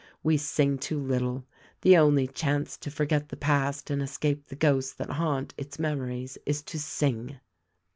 We sing too little. The only chance to forget the past and es cape the ghosts that haunt its memories is to sing."